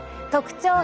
特徴